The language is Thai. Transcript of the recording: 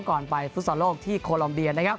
ก่อนไปฟุตซอลโลกที่โคลอมเดียน